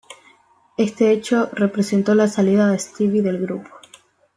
Este hecho representó la salida de Stevie del grupo.